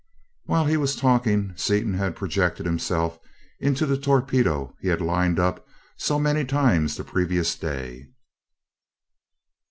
While he was talking, Seaton had projected himself into the torpedo he had lined up so many times the previous day.